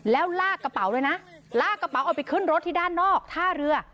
แล้วลากกระเป๋าเลยนะลากกระเป๋าเอาไปขึ้นรถที่ด้านนอกท่าเรือ